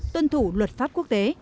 tuân thủ luật pháp quốc tế